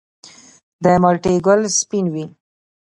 د مالټې ګل سپین وي؟